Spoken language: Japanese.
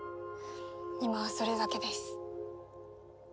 今はそれだけです。